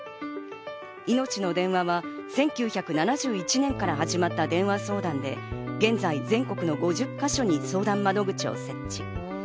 いのちの電話は１９７１年から始まった電話相談で、現在、全国の５０か所に相談窓口を設置。